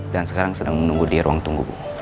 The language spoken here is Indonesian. dan sekarang sedang menunggu di ruang tunggu bu